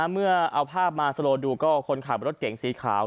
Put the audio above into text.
เมื่อเอาภาพมาสโลดูก็คนขับรถเก่งสีขาว